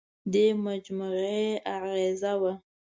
دې مجموعې اغېزه وه.